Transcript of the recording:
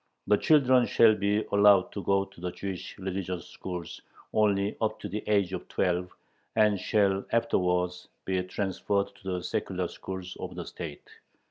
The children shall be allowed to go to the Jewish religious schools only up to the age of twelve, and shall afterwards be transferred to the secular schools of the state.